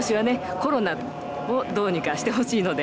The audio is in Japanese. コロナをどうにかしてほしいので。